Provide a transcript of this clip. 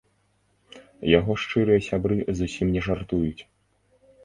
Яго шчырыя сябры зусім не жартуюць.